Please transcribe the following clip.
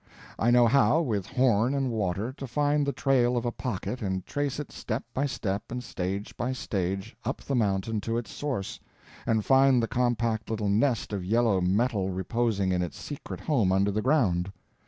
I know how, with horn and water, to find the trail of a pocket and trace it step by step and stage by stage up the mountain to its source, and find the compact little nest of yellow metal reposing in its secret home under the ground.